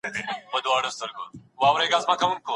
ذهن له مثبتو خاطرو ډک کړئ.